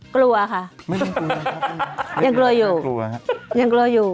กลัวค่ะยังกลัวอยู่